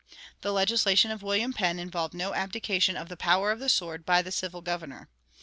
The legislation of William Penn involved no abdication of the power of the sword by the civil governor.